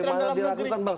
dari mana dilakukan bang